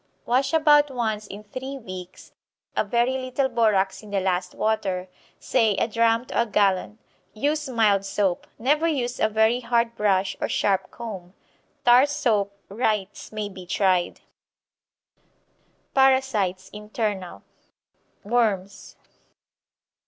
Wash about once in three weeks, a very little borax in the last water, say a drachm to a gallon. Use mild soap. Never use a very hard brush or sharp comb. Tar soap (Wright's) may be tried. PARASITES INTERNAL. WORMS.